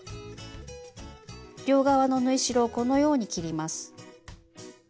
両側の縫い代をこのように切ります。